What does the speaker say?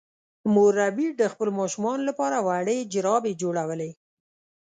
مور ربیټ د خپلو ماشومانو لپاره وړې جرابې جوړولې